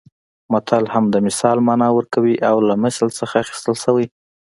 متل هم د مثال مانا ورکوي او له مثل څخه اخیستل شوی